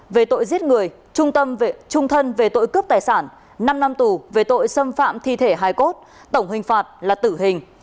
về tội giết người trung tâm trung thân về tội cướp tài sản năm năm tù về tội xâm phạm thi thể hai cốt tổng hình phạt là tử hình